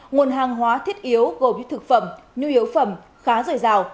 nguồn hàng hóa thiết yếu gồm thực phẩm nhu yếu phẩm khá rời rào